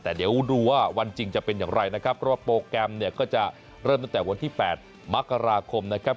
แต่เดี๋ยวดูว่าวันจริงจะเป็นอย่างไรนะครับเพราะว่าโปรแกรมเนี่ยก็จะเริ่มตั้งแต่วันที่๘มกราคมนะครับ